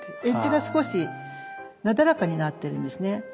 エッジが少しなだらかになってるんですね。